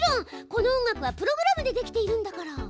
この音楽はプログラムでできているんだから。